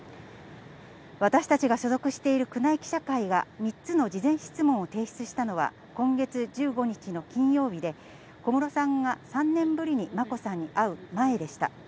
私たちが所属している宮内記者会は３つの事前質問を提出したのは今月１５日の金曜日で、小室さんが３年ぶりに眞子さんに会う前でした。